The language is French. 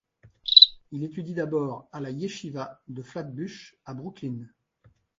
Il étudie d'abord à la Yeshiva de Flatbush, à Brooklyn.